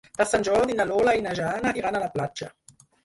Per Sant Jordi na Lola i na Jana iran a la platja.